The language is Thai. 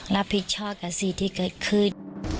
รับผิดชอบกับสิ่งที่เกิดขึ้น